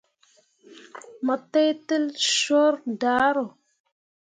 Mo teitel coor daaro.